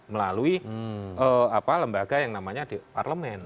melalui lembaga yang namanya di parlemen